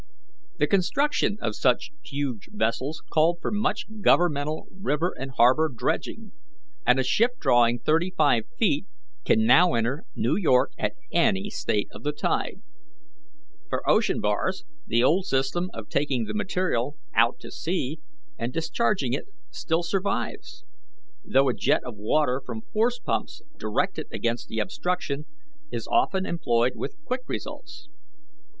"The construction of such huge vessels called for much governmental river and harbour dredging, and a ship drawing thirty five feet can now enter New York at any state of the tide. For ocean bars, the old system of taking the material out to sea and discharging it still survives, though a jet of water from force pumps directed against the obstruction is also often employed with quick results.